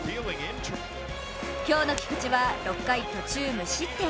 今日の菊池は６回途中無失点。